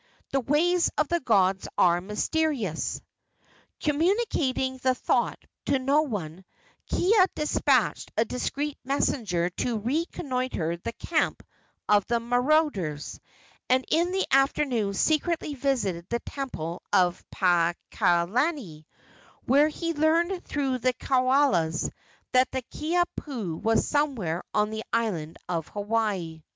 The ways of the gods are mysterious." Communicating the thought to no one, Kiha despatched a discreet messenger to reconnoitre the camp of the marauders, and in the afternoon secretly visited the temple of Paakalani, where he learned through the kaulas that the Kiha pu was somewhere on the island of Hawaii.